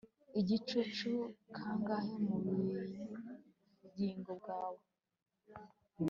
Igicucu kangahe mu bugingo bwawe